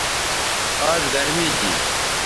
آز گرمی تھی